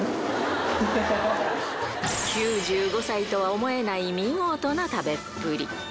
９５歳とは思えない見事な食べっぷり。